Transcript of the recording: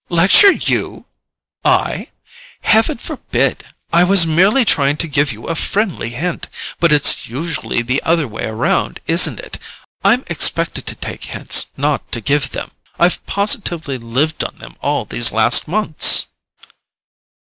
"Lecture you—I? Heaven forbid! I was merely trying to give you a friendly hint. But it's usually the other way round, isn't it? I'm expected to take hints, not to give them: I've positively lived on them all these last months."